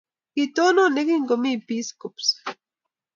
Kitonon ye kingomi Peace Corps.